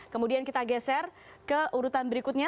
kemudian kita geser ke urutan berikutnya